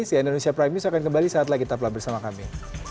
si indonesia prime news akan kembali saat lagi tetaplah bersama kami